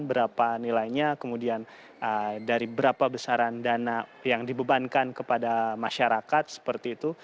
berapa nilainya kemudian dari berapa besaran dana yang dibebankan kepada masyarakat seperti itu